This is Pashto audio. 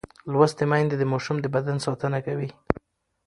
لوستې میندې د ماشوم د بدن ساتنه کوي.